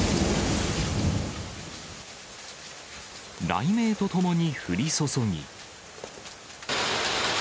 雷鳴とともに降り注ぎ。